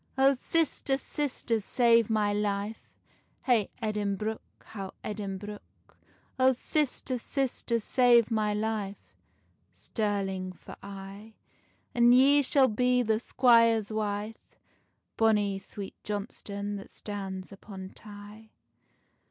"Oh, sister, sister, save my life, Hey Edinbruch, how Edinbruch. Oh sister, sister, save my life, Stirling for aye: And ye shall be the squire's wife, Bonny Sweet Johnstonne that stands upon Tay."